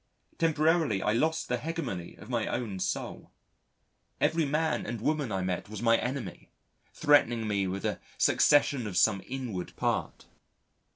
Temporarily I lost the hegemony of my own soul. Every man and woman I met was my enemy, threatening me with the secession of some inward part.